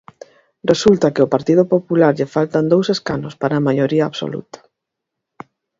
Resulta que ao Partido Popular lle faltan dous escanos para a maioría absoluta.